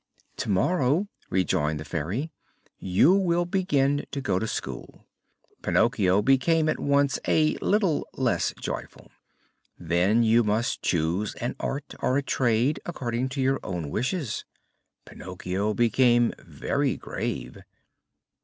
"Tomorrow," rejoined the Fairy, "you will begin to go to school." Pinocchio became at once a little less joyful. "Then you must choose an art, or a trade, according to your own wishes." Pinocchio became very grave.